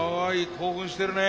興奮してるね。